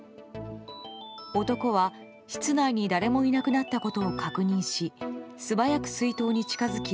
男は室内に誰もいなくなったことを確認し素早く水筒に近づき